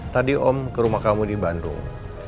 tadi om ke rumah kamu di bandung